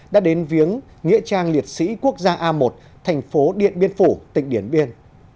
đã đến viếng nghĩa trang liệt sĩ quốc gia a một thành phố điện biên phủ tỉnh điện biên